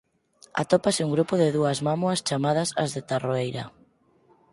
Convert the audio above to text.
Atópase un grupo de dúas mámoas chamadas as de Tarroeira.